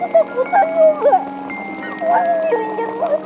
kenapa sih sakit